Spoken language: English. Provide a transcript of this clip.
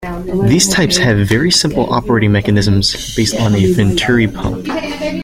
These types have very simple operating mechanisms, based on a venturi pump.